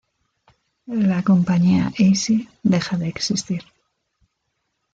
La Compañía Easy deja de existir.